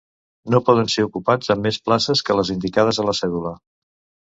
No poden ser ocupats amb més places que les indicades a la cèdula.